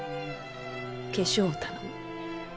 化粧を頼む。